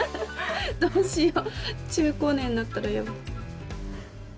どうしよう中高年になったらやば。